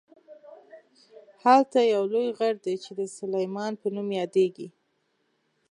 هلته یو لوی غر دی چې د سلیمان په نوم یادیږي.